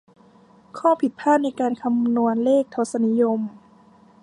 ข้อผิดพลาดในการคำนวณเลขทศนิยม